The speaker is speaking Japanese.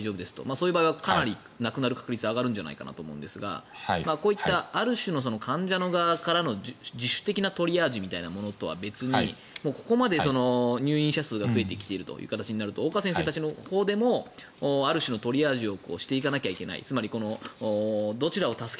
そういう場合はかなり亡くなる確率が上がるんじゃないかと思いますがある種の患者の側からの自主的なトリアージみたいなものとは別にここまで入院者数が増えてきているとなると岡先生たちのほうでもある種のトリアージをしていかないといけない